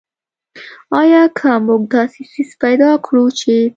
آیا که موږ داسې څیز پیدا کړ چې.